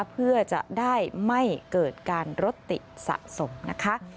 เพื่อจะได้ไม่เกิดการรถติดสะสมนะคะ